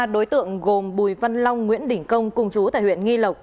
ba đối tượng gồm bùi văn long nguyễn đình công cùng chú tại huyện nghi lộc